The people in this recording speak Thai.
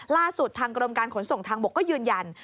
ล่าสุดทางกรมการขนส่งทางบกก็ยืนยัน